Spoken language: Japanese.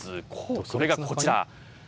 それがこちら。